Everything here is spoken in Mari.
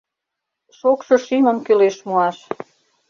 Шокшо шӱмым кӱлеш муаш.